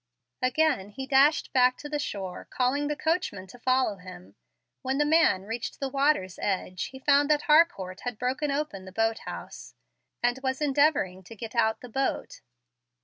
Again he dashed back to the shore, calling the coachman to follow him. When the man reached the water's edge, he found that Harcourt had broken open the boat house, and was endeavoring to get out the boat.